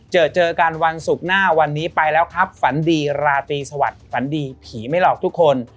เจอเจอกันวันศุกร์หน้าวันนี้ไปแล้วครับฝันดีราตรีสวัสดิฝันดีผีไม่หลอกทุกคน